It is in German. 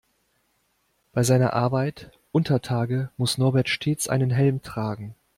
Bei seiner Arbeit untertage muss Norbert stets einen Helm tragen.